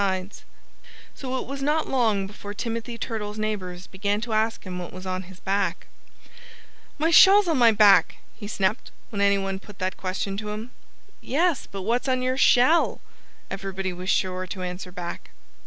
[Illustration: "Let me go!" Fatty Coon shrieked.] So it was not long before Timothy Turtle's neighbors began to ask him what was on his back. "My shell's on my back!" he snapped, when any one put that question to him. "Yes but what's on your shell?" everybody was sure to answer back.